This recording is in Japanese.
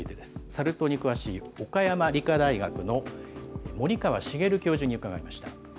サル痘に詳しい岡山理科大学の森川茂教授に伺いました。